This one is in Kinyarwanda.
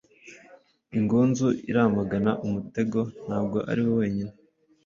Ingunzu iramagana umutego, ntabwo ari we wenyine.